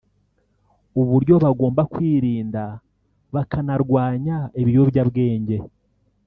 uburyo bagomba kwirinda bakanarwanya ibiyobyabwenge